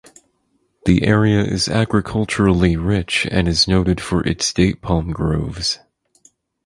The area is agriculturally rich and is noted for its date palm groves.